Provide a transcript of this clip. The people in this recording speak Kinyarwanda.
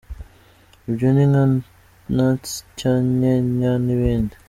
Ibyo ni nka nts, cy, njy, jy, n’ibindi.